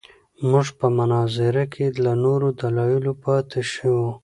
موږ په مناظره کې له نورو دلایلو پاتې شوو.